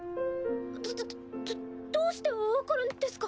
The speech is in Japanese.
どどどどうして分かるんですか？